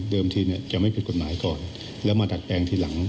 ทีเนี่ยจะไม่ผิดกฎหมายก่อนแล้วมาดัดแปลงทีหลัง